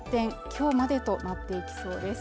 今日までとなっていきそうです